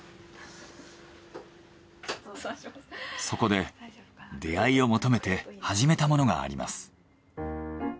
そこで出会いを求めて始めたものがあります。